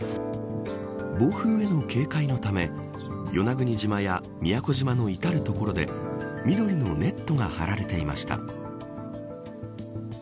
暴風への警戒のため与那国島や宮古島の至る所で緑のネットが張られていました。